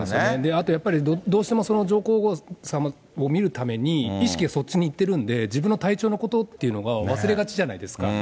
あとやっぱり、どうしてもその上皇さまを見るために意識がそっちにいってるんで、自分の体調のことっていうのは、忘れがちじゃないですか。